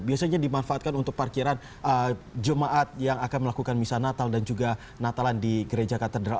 biasanya dimanfaatkan untuk parkiran jemaat yang akan melakukan misa natal dan juga natalan di gereja katedral